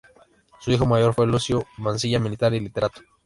Su hijo mayor fue Lucio V. Mansilla, militar y literato.